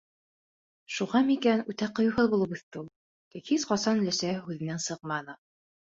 Шуғамы икән, үтә ҡыйыуһыҙ булып үҫте ул. Тик һис ҡасан өләсәһе һүҙенән сыҡманы.